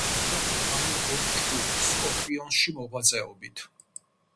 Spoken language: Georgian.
სახელი გაითქვა გერმანულ როკ ჯგუფ, სკორპიონსში მოღვაწეობით.